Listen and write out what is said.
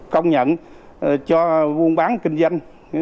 công nhận cho vùng bán kinh doanh